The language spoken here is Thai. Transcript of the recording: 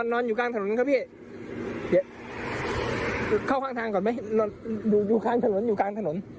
นอนอยู่กลางถนนครับพี่เดี๋ยวเข้าข้างทางก่อนไหมอยู่กลางถนน